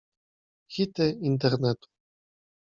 Hity internetu.